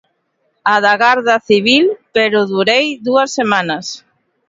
A da Garda Civil, pero durei dúas semanas.